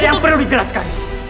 tidak perlu dijelaskan